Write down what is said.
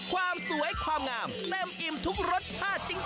ความสวยความงามเต็มอิ่มทุกรสชาติจริง